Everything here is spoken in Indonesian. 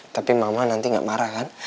tapi mama nanti nggak marah kan